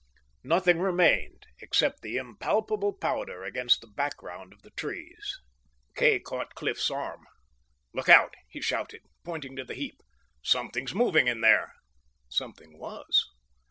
Nothing remained, except that impalpable powder against the background of the trees. Kay caught Cliff's arm. "Look out!" he shouted, pointing to the heap. "Something's moving in there!" Something was.